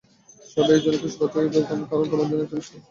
সবাই এই জন্য খুশি হচ্ছে, কারন তোমার জন্য একটা বিয়ের প্রস্তাব এসেছে।